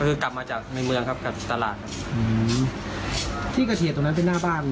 คือกลับมาจากในเมืองครับกับตลาดครับอืมที่เกิดเหตุตรงนั้นเป็นหน้าบ้าน